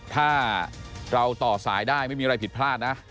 ถ้าเราต่อสายได้ไม่มีอะไรผิดพลาดนะ